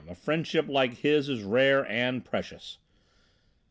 A friendship like his is rare and precious."